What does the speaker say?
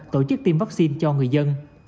tổ chức tiêm vaccine cho người dân